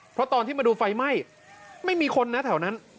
เพราะตอนที่มาดูไฟไหม้ไม่มีคนนะแถวนั้น